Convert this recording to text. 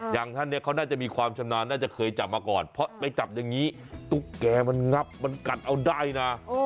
อย่างท่านเนี่ยเขาน่าจะมีความชำนาญน่าจะเคยจับมาก่อนเพราะไปจับอย่างนี้ตุ๊กแกมันงับมันกัดเอาได้นะ